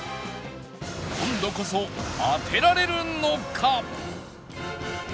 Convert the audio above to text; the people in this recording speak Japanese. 今度こそ当てられるのか？